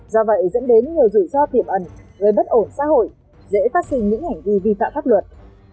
do vậy dẫn đến nhiều rủi ro tiềm ẩn gây bất ổn xã hội dễ phát sinh những hành vi vi phạm pháp luật